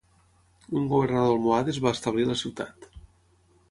Un governador almohade es va establir a la ciutat.